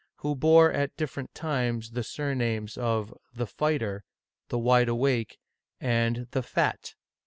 who bore at different times the surnames of " the Fighter," " the Wide awake," and " the Fat."